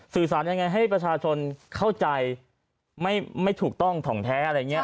สื่อสารยังไงให้ประชาชนเข้าใจไม่ถูกต้องถ่องแท้อะไรอย่างนี้